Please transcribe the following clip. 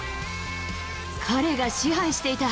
彼が支配していた！